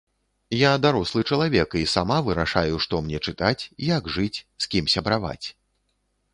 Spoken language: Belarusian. Я дарослы чалавек, і сама вырашаю, што мне чытаць, як жыць, з кім сябраваць.